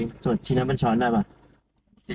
เอาดีสวนเชียญข้างบันช้อนได้หรือ